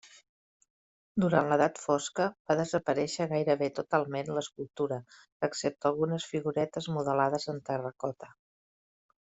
Durant l'edat fosca va desaparèixer gairebé totalment l'escultura, excepte algunes figuretes modelades en terracota.